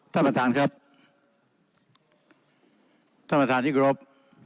ท่านประธานครับท่านประธานที่กรบ